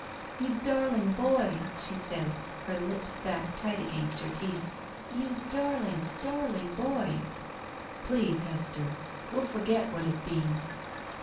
*'You darling boy!" she said, her lips back tight against her teeth. '*You darling, darling boy!" "Please, Hester! We'll forget what has been."